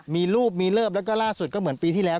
มีรูปมีเลิฟแล้วก็ล่าสุดก็เหมือนปีที่แล้ว